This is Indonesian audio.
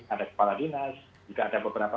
ada kepala dinas juga ada beberapa